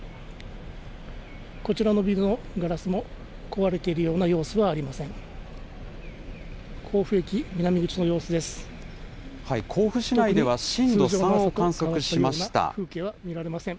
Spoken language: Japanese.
こちらのビルのガラスも壊れているような様子はありません。